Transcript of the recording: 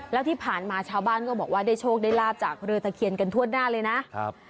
แล้วที่ผ่านมาชาวบ้านก็บอกว่าได้โชคได้ลาบจากเรือตะเคียนกันทั่วหน้าเลยนะครับ